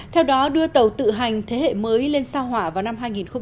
theo đó đưa tàu tự hành thế hệ mới lên sao hỏa vào năm hai nghìn hai mươi